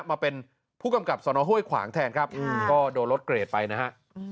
มาเป็นผู้กำกับสนห้วยขวางแทนครับก็โดนรถเกรดไปนะฮะ